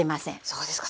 そうですか。